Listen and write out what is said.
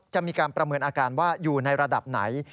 จะมีการประเมินอาการว่าอยู่ในระดับไหน